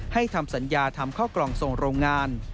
ทำสัญญาทำข้าวกล่องส่งโรงงาน